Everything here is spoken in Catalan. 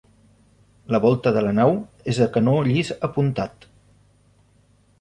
La volta de la nau és de canó llis apuntat.